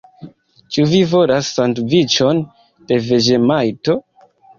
Ĉu vi volas sandviĉon de veĝemajto?